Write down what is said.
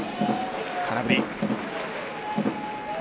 空振り。